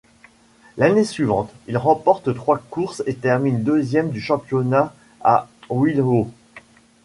L'année suivante, il remporte trois courses et termine deuxième du championnat à Will Hoy.